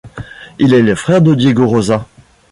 Il est le frère de Diego Rosa.